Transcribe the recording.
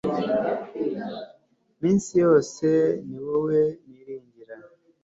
iminsi yose ni wowe niringira